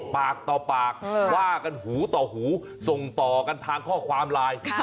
ปากต่อปากว่ากันหูต่อหูส่งต่อกันทางข้อความไลน์